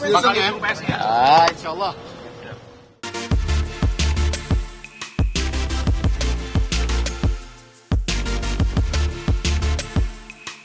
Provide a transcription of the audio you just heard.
berarti bakal disuruh psi ya